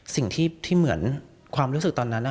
สิ่งที่เหมือนความรู้สึกตอนนั้น